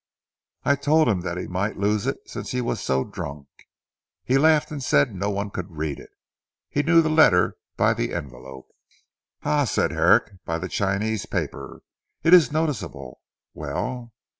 I told him that he might lose it since he was so drunk. He laughed and said no one could read it. He knew the letter by the envelope." "Ha!" said Herrick, "by the Chinese paper! It is noticeable. Well?"